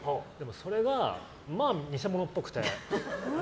それが、まあ偽物っぽくて。